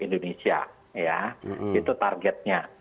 indonesia itu targetnya